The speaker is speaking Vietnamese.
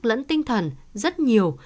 lẫn tinh thần rất nhiều